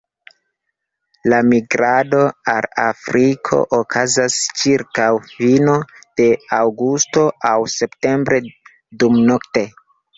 La migrado al Afriko okazas ĉirkaŭ fino de aŭgusto aŭ septembre, dumnokte.